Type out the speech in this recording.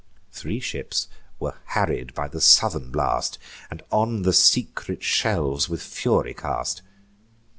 Three ships were hurried by the southern blast, And on the secret shelves with fury cast.